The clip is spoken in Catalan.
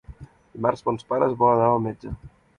Dimarts mons pares volen anar al metge.